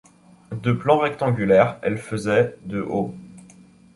De plan rectangulaire, elle faisait de haut.